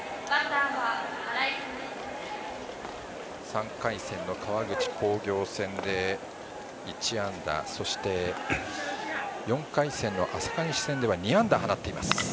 ３回戦の川口工業戦で１安打そして、４回戦の朝霞西戦では２安打はなっています。